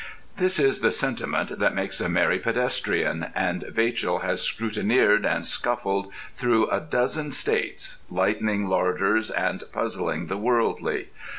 This is the sentiment that makes a merry pedestrian, and Vachel has scrutineered and scuffled through a dozen states, lightening larders and puzzling the worldly.